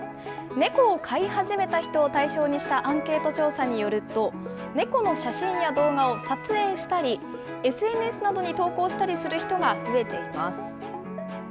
猫を飼い始めた人を対象にしたアンケート調査によると、猫の写真や動画を撮影したり、ＳＮＳなどに投稿したりする人が増えています。